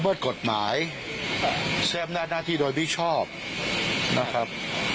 ระเบิดกฎหมายแซมหน้าหน้าที่โดยบิชอบนะครับ